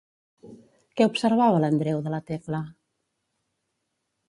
Què observava l'Andreu de la Tecla?